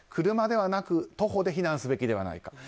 車ではなく徒歩で避難すべきではないか。